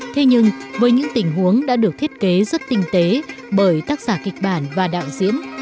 thế nhưng với những tình huống đã được thiết kế rất tinh tế bởi tác giả kịch bản và đạo diễn